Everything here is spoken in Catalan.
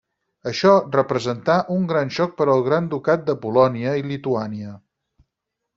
Això representà un gran xoc per al Gran Ducat de Polònia i Lituània.